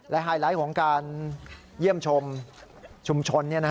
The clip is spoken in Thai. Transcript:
และไฮไลท์ของการเยี่ยมชมชุมชน